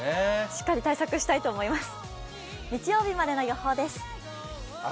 しっかり対策したいと思います。